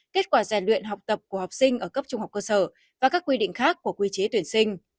kết quả rèn luyện học tập của học sinh ở cấp trung học cơ sở và các quy định khác của quy chế tuyển sinh